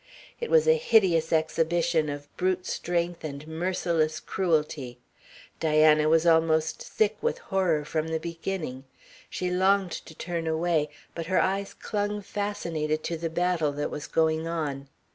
It was a hideous exhibition of brute strength and merciless cruelty. Diana was almost sick with horror from the beginning; she longed to turn away, but her eyes clung fascinated to the battle that was going on.